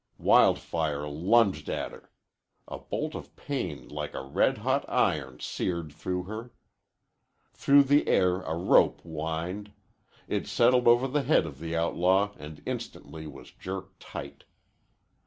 Wild Fire lunged at her. A bolt of pain like a red hot iron seared through her. Through the air a rope whined. It settled over the head of the outlaw and instantly was jerked tight.